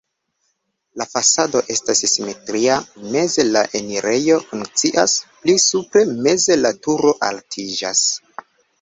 La fasado estas simetria, meze la enirejo funkcias, pli supre meze la turo altiĝas.